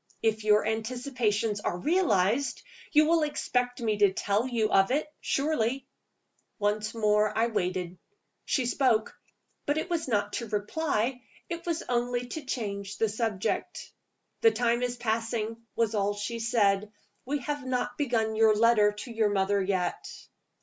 If your anticipations are realized, you will expect me to tell you of it, surely?" Once more I waited. She spoke but it was not to reply: it was only to change the subject. "The time is passing," was all she said. "We have not begun your letter to your mother yet."